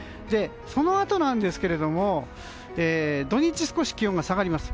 そのあと、土日少し気温が下がります。